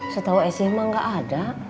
setahu sma gak ada